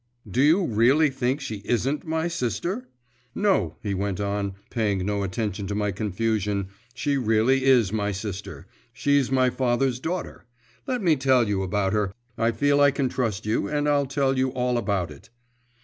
'Do you really think she isn't my sister?… No,' he went on, paying no attention to my confusion, 'she really is my sister, she's my father's daughter. Let me tell you about her, I feel I can trust you, and I'll tell you all about it.